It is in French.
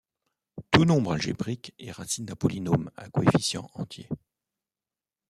Tout nombre algébrique est racine d'un polynôme à coefficients entiers.